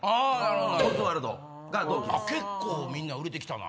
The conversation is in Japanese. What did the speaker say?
結構みんな売れて来たな。